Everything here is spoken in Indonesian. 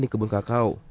di kebun kakao